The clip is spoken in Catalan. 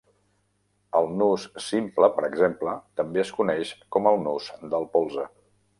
El nus simple, per exemple, també es coneix com el nus del polze.